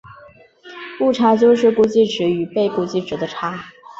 误差就是估计值与被估计量的差。